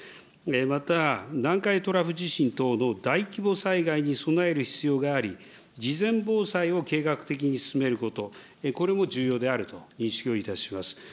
また、南海トラフ地震等の大規模災害に備える必要があり、事前防災を計画的に進めること、これも重要であると認識をしております。